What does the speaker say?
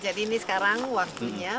jadi ini sekarang waktunya